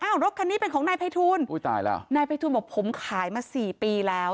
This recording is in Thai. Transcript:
อ้าวรถคันนี้เป็นของนายไภทูลนายไภทูลบอกผมขายมา๔ปีแล้ว